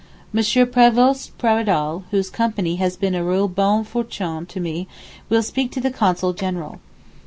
M. Prévost Paradol, whose company has been a real bonne fortune to me, will speak to the Consul General.